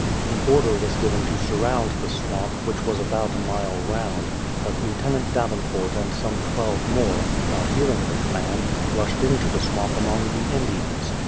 Then order was given to surround the swamp, which was about a mile round ; but Lieutenant Davenport and some twelve more, not hearing the command, rushed into the swamp among the Indians.